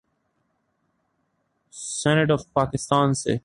Senate of Pakistan سے۔